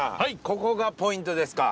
ここがポイントですか？